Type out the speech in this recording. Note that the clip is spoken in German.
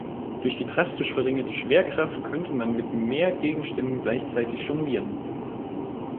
Durch die drastisch verringerte Schwerkraft könnte man mit mehr Gegenständen gleichzeitig jonglieren.